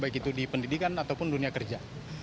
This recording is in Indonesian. baik itu di pendidikan ataupun dunia kerja